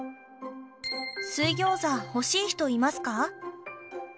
水ギョーザ欲しい人いますか？